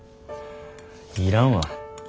要らんわ。